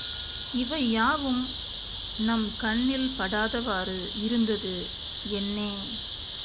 இவை யாவும் நம் கண்ணில் படாதவாறு இருந்தது என்னே!